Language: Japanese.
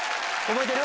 覚えてる？